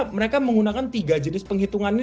mereka menggunakan tiga jenis penghitungan ini